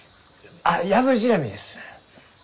ヤブジラミです。